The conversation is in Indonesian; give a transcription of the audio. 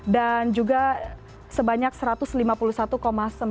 dan juga sebanyak satu ratus lima puluh satu sembilan hektare